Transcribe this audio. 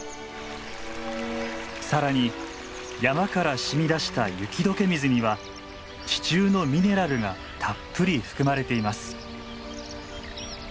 更に山から染み出した雪解け水には地中のミネラルがたっぷり含まれています。